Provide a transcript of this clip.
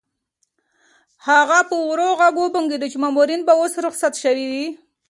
هغه په ورو غږ وبونګېده چې مامورین به اوس رخصت شوي وي.